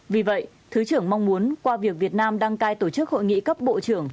vì vậy thứ trưởng mong muốn qua việc việt nam đăng cai tổ chức hội nghị cấp bộ trưởng